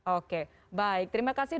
oke baik terima kasih